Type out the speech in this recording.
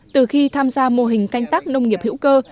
từ khi tham gia mô hình canh tác nông nghiệp hữu cơ